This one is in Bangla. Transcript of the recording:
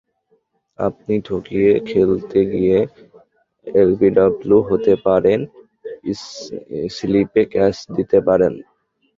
আপনি ঠেকিয়ে খেলতে গিয়ে এলবিডব্লু হতে পারেন, স্লিপে ক্যাচ দিতে পারেন।